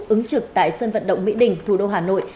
ứng trực tại sân vận động mỹ đình thủ đô hà nội